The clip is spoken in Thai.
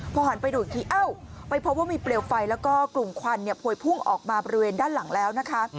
พอหันไปดูอีกทีเอ้าไปพบว่ามีเปลวไฟแล้วก็กลุ่มควันพวยพุ่งออกมาบริเวณด้านหลังแล้วนะคะ